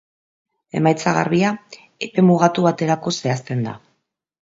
Emaitza garbia, epe mugatu baterako zehazten da.